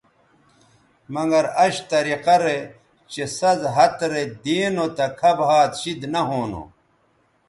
مگر اش طریقہ رے چہء سَز ھَت رے دی نو تہ کھب ھَات شید نہ ھونو